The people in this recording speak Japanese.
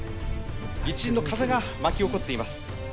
一陣の風が巻き起こっています。